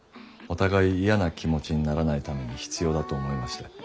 お互い嫌な気持ちにならないために必要だと思いまして。